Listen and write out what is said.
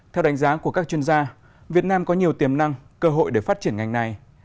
theo đánh giá của các chuyên gia việt nam có nhiều tiềm năng cơ hội để phát triển ngành này